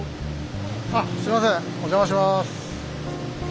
あっすみませんお邪魔します。